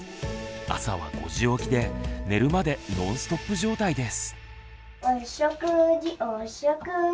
朝は５時起きで寝るまでノンストップ状態です。